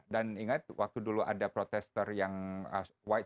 dan ingat waktu dulu ada protester yang white shirt